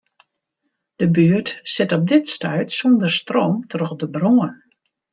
De buert sit op dit stuit sûnder stroom troch de brân.